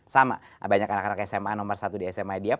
sama banyak anak anak sma nomor satu di sma dia